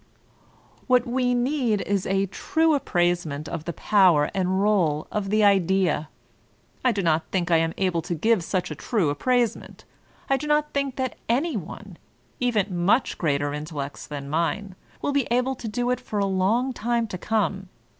What we need is a true appraisement of the power and role of the Idea. I do not think I am able to give such a true appraisement ; I do not think that any one even mnch greater intellects than mine — will be able to do it for a long time to come.